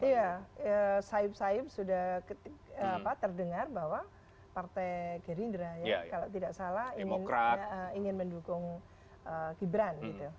ya sayap sayap sudah terdengar bahwa partai gerindra kalau tidak salah ingin mendukung gibran